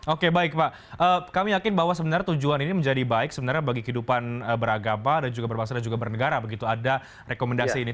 oke baik pak kami yakin bahwa sebenarnya tujuan ini menjadi baik sebenarnya bagi kehidupan beragama dan juga berbangsa dan juga bernegara begitu ada rekomendasi ini